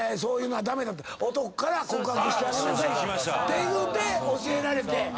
ていうて教えられて。